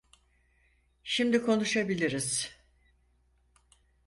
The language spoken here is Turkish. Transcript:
Şimdi konuşabiliriz.